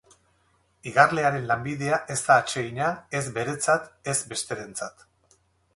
Igarlearen lanbidea ez da atsegina, ez beretzat ez besterentzat.